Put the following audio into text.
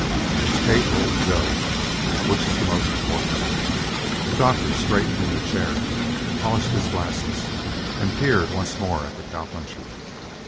It's Kate or old Joe. Which is the most important?" The doctor straightened in the chair, polished his glasses, and peered once more at the cowpuncher.